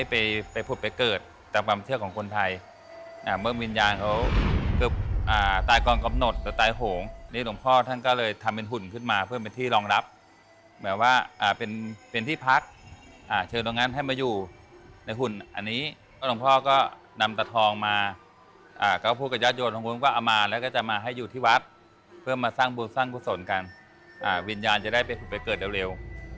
เพื่อมาสร้างบุญสร้างผู้ส่วนกันวิญญาณจะได้ไปเกิดเร็ว